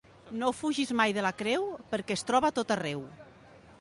No fugis mai de la creu, perquè es troba a tot arreu.